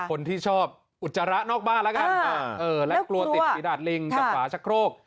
คนที่ชอบอุจจาระนอกบ้านแล้วกลัวติดติดาดลิงจับหวาชะโครก